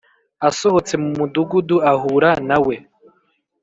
asohotse mu mudugudu ahura na we